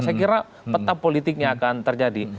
saya kira peta politiknya akan terjadi